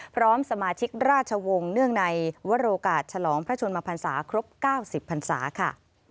พร้อมสมาชิกราชวงศ์เนื่องในวรโอกาสฉลองพระชนมพันศาครบ๙๐พันศาค่ะ